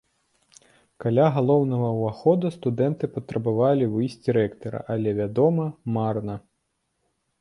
Каля галоўнага ўвахода студэнты патрабавалі выйсці рэктара, але, вядома, марна.